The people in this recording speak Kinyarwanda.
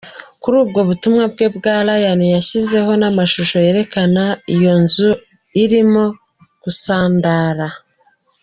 Kuri ubwo butumwa bwe, Bwana Ryan yashyizeho n'amashusho yerekana iyo nzu irimo gusandara.